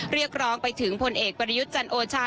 เรียกร้องไปถึงผลเอกประยุทธ์จันโอชา